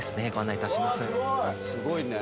すごいね。